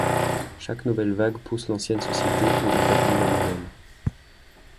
Chaque nouvelle vague pousse l'ancienne société et établit la nouvelle.